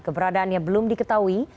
keberadaannya belum diketahui